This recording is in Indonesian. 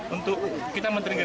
untuk kita men trigger